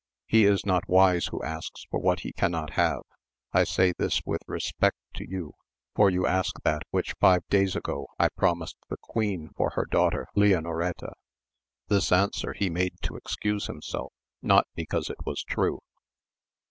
He is not wise who asks for what he cannot have. I say this with respect to you, for you ask that which five days ago I promised the queen for her daughter Leonoreta ; this answer he made to excuse himself, not because it was true.